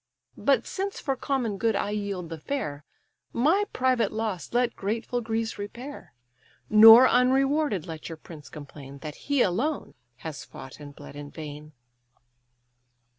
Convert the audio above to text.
But since for common good I yield the fair, My private loss let grateful Greece repair; Nor unrewarded let your prince complain, That he alone has fought and bled in vain."